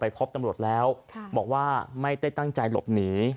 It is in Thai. พบตำรวจแล้วบอกว่าไม่ได้ตั้งใจหลบหนี